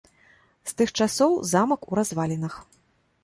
З тых часоў замак у развалінах.